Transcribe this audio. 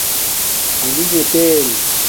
ھنݣ تیل